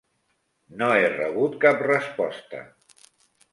No he rebut cap resposta.